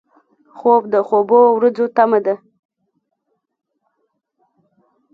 خوب د خوبو ورځو تمه ده